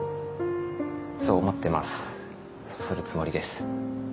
そう思ってますそうするつもりです